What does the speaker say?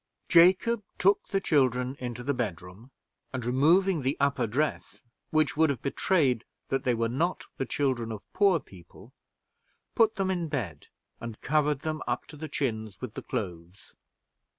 Jacob took the children into the bedroom, and, removing the upper dress, which would have betrayed that they were not the children of poor people, put them in bed, and covered them up to the chins with the clothes.